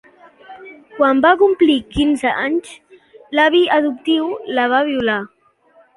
Quan va complir quinze anys, l'avi adoptiu la va violar.